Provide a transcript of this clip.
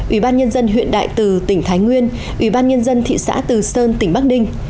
ủy ban nhân dân huyện đại từ tỉnh thái nguyên ủy ban nhân dân thị xã từ sơn tỉnh bắc ninh